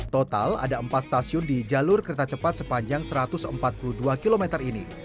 total ada empat stasiun di jalur kereta cepat sepanjang satu ratus empat puluh dua km ini